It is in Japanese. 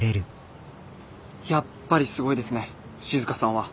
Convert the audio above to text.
やっぱりすごいですね静さんは。